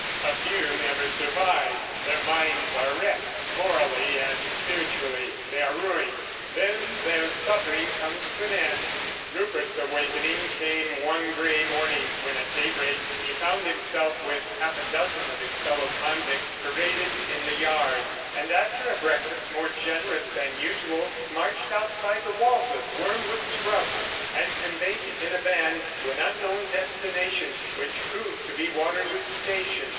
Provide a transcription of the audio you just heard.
A few never survive; their minds are wrecked, morally and spiritually they are ruined; then their suffering comes to an end. Rupert's awakening came one grey morning when at daybreak he found himself with half a dozen of his fellow convicts paraded in the yard, and, after a breakfast more generous than usual, marched outside the walls of Wormwood Scrubbs and conveyed in a van to an unknown destination—which proved to be Waterloo Station.